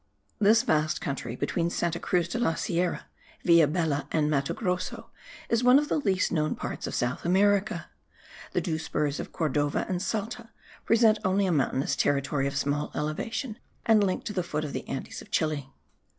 This vast country between Santa Cruz de la Sierra, Villabella, and Matogrosso, is one of the least known parts of South America. The two spurs of Cordova and Salta present only a mountainous territory of small elevation, and linked to the foot of the Andes of Chile.